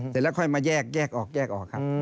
เสร็จแล้วค่อยมาแยกออกแยกออกครับ